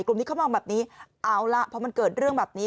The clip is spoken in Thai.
กลุ่มนี้เขามองแบบนี้เอาล่ะพอมันเกิดเรื่องแบบนี้